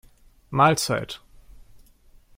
Mahlzeit!